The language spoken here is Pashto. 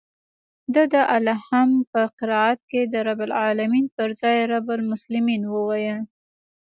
ده د الحمد په قرائت کښې د رب العلمين پر ځاى رب المسلمين وويل.